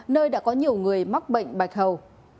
nơi đã có nhiều người mắc bệnh bạch hầu